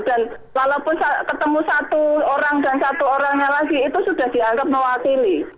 dan walaupun ketemu satu orang dan satu orangnya lagi itu sudah dianggap mewakili